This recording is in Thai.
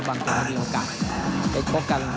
บางครั้งมีโอกาสจะชกกัน